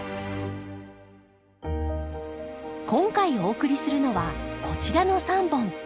今回お送りするのはこちらの３本。